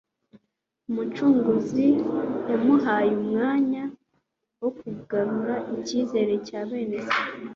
Umucunguzi yamuhaye umwanya wo kugarura icyizere cya bene se